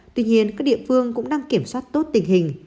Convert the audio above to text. tuy nhiên các địa phương cũng đang kiểm soát tốt tình hình